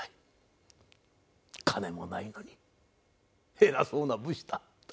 金もないのに偉そうな武士だ。